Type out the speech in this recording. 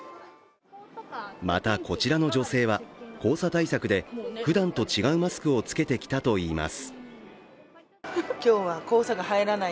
また、こちらの女性は黄砂対策でふだんと違うマスクを着けてきたといいます。